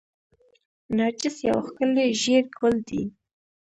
نرجس یو ښکلی ژیړ ګل دی